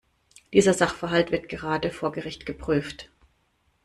Dieser Sachverhalt wird gerade vor Gericht geprüft.